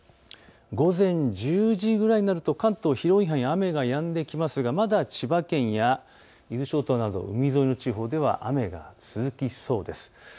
午前１０時くらいになると関東広い範囲、雨がやんできますが、まだ千葉県や伊豆諸島など海沿いの地方では雨が続きそうです。